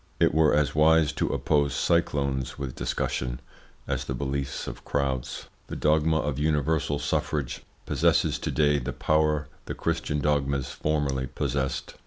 It were as wise to oppose cyclones with discussion as the beliefs of crowds. The dogma of universal suffrage possesses to day the power the Christian dogmas formerly possessed.